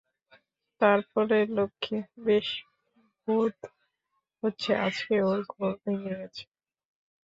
তার পরে মক্ষী, বেশ বোধ হচ্ছে আজকে ওর ঘোর ভেঙে গেছে।